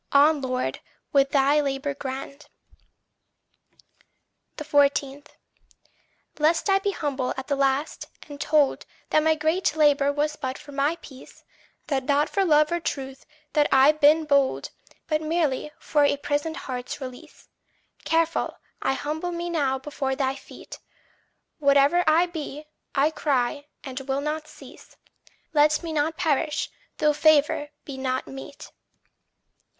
On, Lord, with thy labour grand. 14. Lest I be humbled at the last, and told That my great labour was but for my peace That not for love or truth had I been bold, But merely for a prisoned heart's release; Careful, I humble me now before thy feet: Whate'er I be, I cry, and will not cease Let me not perish, though favour be not meet.